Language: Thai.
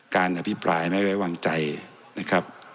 การอภิปรายไม่ไว้วางใจนะครับ